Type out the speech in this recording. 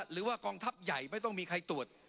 หรือว่ากองทัพใหญ่ไม่ต้องมีใครตรวจ